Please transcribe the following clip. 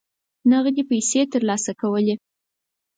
نغدي پیسې ترلاسه کولې.